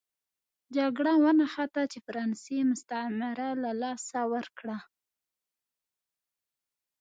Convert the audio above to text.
جګړه ونښته چې فرانسې مستعمره له لاسه ورکړه.